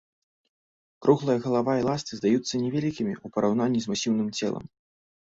Круглая галава і ласты здаюцца невялікімі ў параўнанні з масіўным целам.